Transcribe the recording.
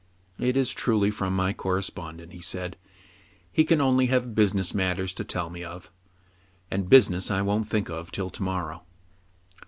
" It is truly from my correspondent," he said. He can only have business matters to tell me of ; and business I won't think of till to morrow.'